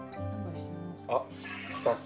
あっ。